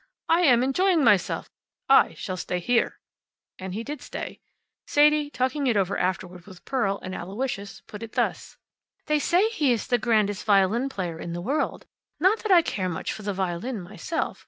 I am enjoying myself. I shall stay here." And he did stay. Sadie, talking it over afterward with Pearl and Aloysius, put it thus: "They say he's the grandest violin player in the world. Not that I care much for the violin, myself.